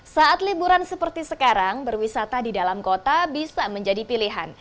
saat liburan seperti sekarang berwisata di dalam kota bisa menjadi pilihan